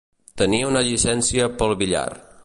Tenia una llicència pel billar.